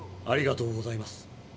ありがとうございます。